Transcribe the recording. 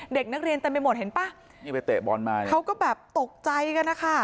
เด็กนักเรียนใจเจ็บประหลาดรวมมือ